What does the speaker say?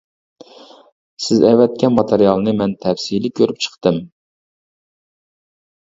سىز ئەۋەتكەن ماتېرىيالنى مەن تەپسىلىي كۆرۈپ چىقتىم.